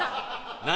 何？